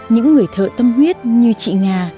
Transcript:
những người thợ tâm huyết như chị nga